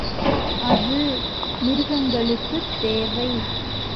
அது மிருகங்களுக்குத் தேவை.